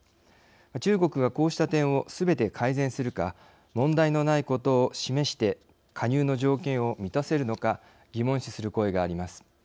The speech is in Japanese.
中国がこうした点をすべて改善するか問題のないことを示して加入の条件を満たせるのか疑問視する声があります。